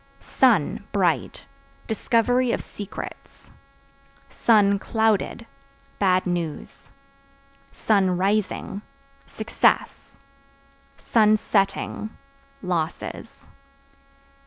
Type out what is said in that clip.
Sun (Bright) discovery of secrets; (clouded) bad news; (rising) success; (setting) losses.